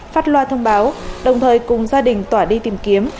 phát loa thông báo đồng thời cùng gia đình tỏa đi tìm kiếm